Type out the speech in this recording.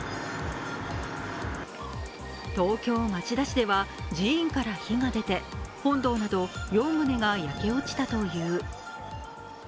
東京・町田市では寺院から火が出て本堂など４棟が焼け落ちたという。